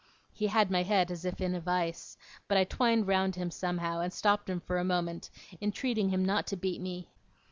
He had my head as in a vice, but I twined round him somehow, and stopped him for a moment, entreating him not to beat me.